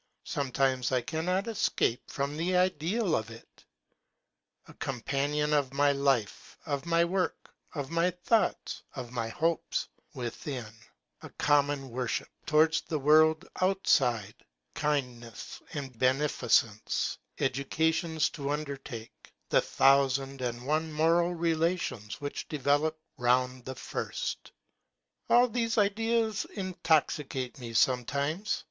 Sometimes I cannot escape from the ideal of it. A companion of my life, of my work, of my thoughts, of my hopes; within, a common worship, towards the world out side, kindness and beneficence ; educations AMIEL'S JOURNAL. 19 to undertake, the thousand and one moral relations which develop round the first — all these ideas intoxicate me sometimes.